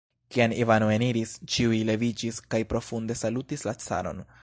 Kiam Ivano eniris, ĉiuj leviĝis kaj profunde salutis la caron.